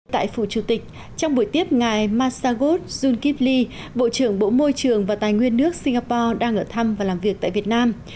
tại phủ chủ tịch trong buổi tiếp ngày massagot zunkibli bộ trưởng bộ môi trường và tài nguyên nước singapore đang ở thăm và làm việc tại việt nam